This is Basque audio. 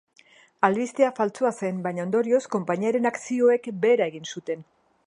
Albistea faltsua zen, baina ondorioz konpainiaren akzioek behera egin zuten.